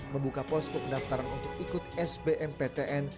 membuka pos pendaftaran untuk ikut sbmptn